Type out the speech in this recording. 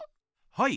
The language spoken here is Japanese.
はい。